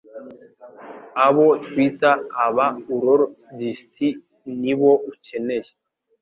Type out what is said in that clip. abo twita aba urologists nibo ukeneye